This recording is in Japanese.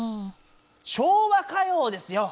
昭和歌謡ですよ！